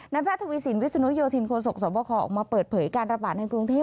แพทย์ทวีสินวิศนุโยธินโคศกสวบคออกมาเปิดเผยการระบาดในกรุงเทพ